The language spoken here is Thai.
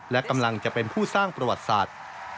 และกำลังจะเป็นผู้สร้างประวัติศาสตร์